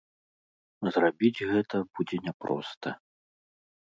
Зрабіць гэта будзе няпроста.